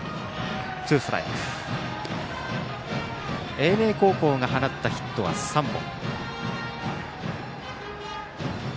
英明高校が放ったヒットは３本。